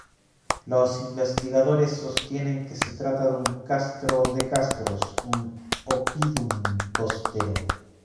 Los investigadores sostienen que se trata de un castro de castros, un "oppidum" costero.